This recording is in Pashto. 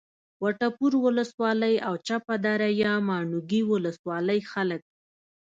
وټپور ولسوالي او چپه دره یا ماڼوګي ولسوالۍ خلک